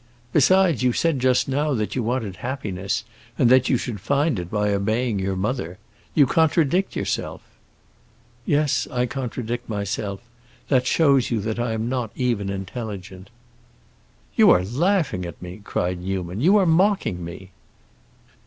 Besides you said just now that you wanted happiness, and that you should find it by obeying your mother. You contradict yourself." "Yes, I contradict myself; that shows you that I am not even intelligent." "You are laughing at me!" cried Newman. "You are mocking me!"